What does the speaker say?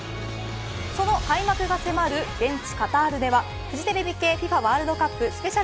その開幕が迫る現地カタールではフジテレビ系ＦＩＦＡワールドカップ